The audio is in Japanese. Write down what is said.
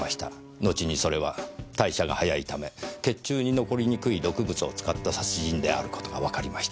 後にそれは代謝が早いため血中に残りにくい毒物を使った殺人である事がわかりました。